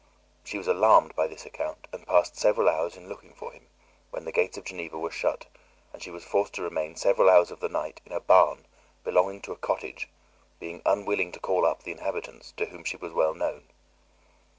She was alarmed by this account and passed several hours in looking for him, when the gates of Geneva were shut, and she was forced to remain several hours of the night in a barn belonging to a cottage, being unwilling to call up the inhabitants, to whom she was well known.